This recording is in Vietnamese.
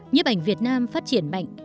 nhếp ảnh việt nam phát triển mạnh